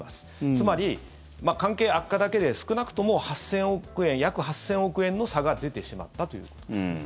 つまり、関係悪化だけで少なくとも８０００億円約８０００億円の差が出てしまったという。